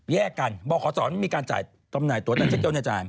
แยกกันบขมีการจ่ายตัวแต่เจ๊เกียวจะจ่าย